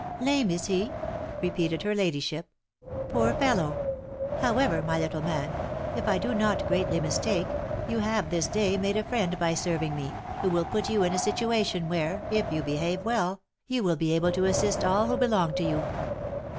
" Lame, is he?'' repeated her ladyship, " Poor fellow ! However, my little man, if I do not greatly mistake, you have this day made a friend by serving me, who will put you in a situation where, if you behave well, you will be able to assist all who belong to you."